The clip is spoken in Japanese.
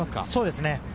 そうですね。